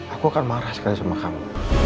aku akan marah sekali sama kamu